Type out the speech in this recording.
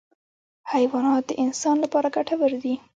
حیوانات د انسان لپاره ګټور دي.